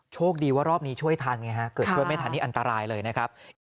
โชคดีว่ารอบนี้ช่วยทันไงฮะเกิดช่วยไม่ทันนี่อันตรายเลยนะครับ